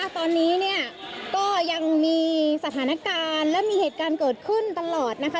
ตอนนี้เนี่ยก็ยังมีสถานการณ์และมีเหตุการณ์เกิดขึ้นตลอดนะคะ